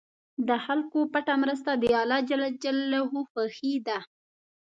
د خلکو پټه مرسته د الله خوښي ده.